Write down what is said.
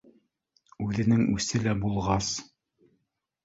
Үҙенең үсе лә булғас